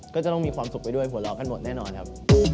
ก็จะต้องมีความสุขไปด้วยหัวเราะกันหมดแน่นอนครับ